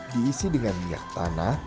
diisi dengan minyak tanah